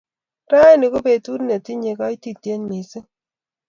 raini ko petut netinye kaititiet missing